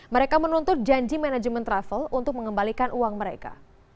mereka menuntut janji manajemen travel untuk mengembalikan uang mereka